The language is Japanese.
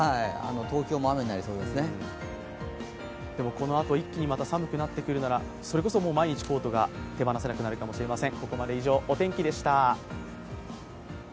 このあと一気に寒くなってくるならそれこそ毎日コートが手放せなくなるかもしれません。